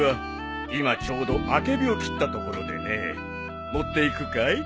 今ちょうどアケビを切ったところでね持っていくかい？